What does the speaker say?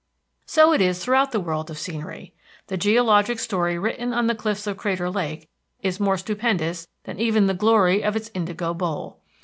So it is throughout the world of scenery. The geologic story written on the cliffs of Crater Lake is more stupendous even than the glory of its indigo bowl.